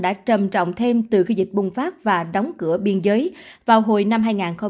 đã trầm trọng thêm từ khi dịch bùng phát và đóng cửa biên giới vào hồi năm hai nghìn một mươi sáu